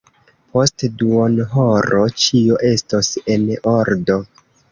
Post duonhoro ĉio estos en ordo.